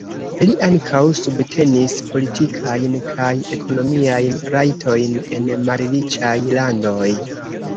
Li ankaŭ subtenis politikajn kaj ekonomiajn rajtojn en malriĉaj landoj.